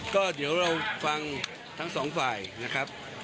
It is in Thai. ก็เดี๋ยวเราฟังทั้งสองฝ่ายนะครับ